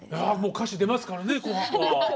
歌詞出ますからね「紅白」は。